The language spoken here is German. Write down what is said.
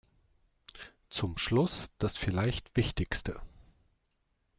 Zum Schluss das vielleicht Wichtigste.